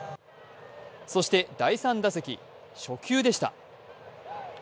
そして第３打席、初球でした。